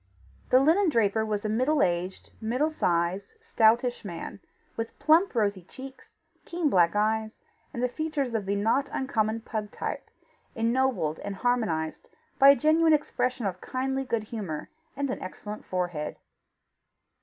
The linen draper was a middle aged, middle sized, stoutish man, with plump rosy cheeks, keen black eyes, and features of the not uncommon pug type, ennobled and harmonized by a genuine expression of kindly good humour, and an excellent forehead.